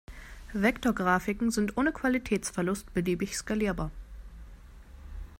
Vektorgrafiken sind ohne Qualitätsverlust beliebig skalierbar.